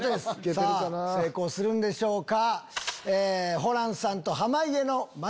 さぁ成功するんでしょうか？